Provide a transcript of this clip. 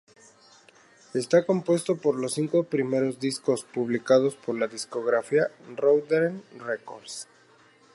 Está compuesto por los cinco primeros discos publicados por la discográfica Roadrunner Records.